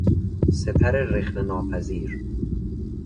سپر رخنه ناپذیر